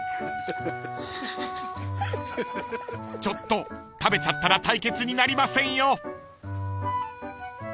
［ちょっと食べちゃったら対決になりませんよ］